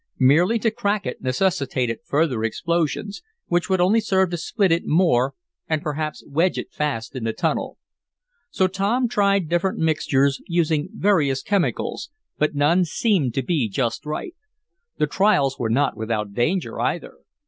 Merely to crack it necessitated further explosions, which would only serve to split it more and perhaps wedge it fast in the tunnel. So Tom tried different mixtures, using various chemicals, but none seemed to be just right. The trials were not without danger, either.